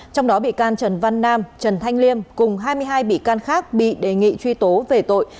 trong đó bị can trần văn nam trần thanh liêm cùng hai mươi hai bị can khác bị đề nghị truy tố về tội